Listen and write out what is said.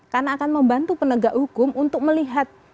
karena akan membantu penegak hukum untuk melihat